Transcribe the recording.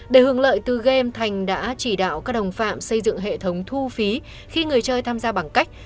để hưởng lợi từ game thành đã chỉ đạo các đồng phạm xây dựng hệ thống thu phí khi người chơi tham gia bằng cách